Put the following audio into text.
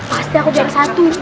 pasti aku biarkan satu